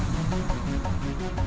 sampai ketemu di next vlog